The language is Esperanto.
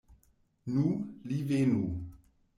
Nu, li venu.